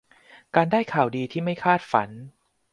การได้ข่าวดีที่ไม่คาดฝัน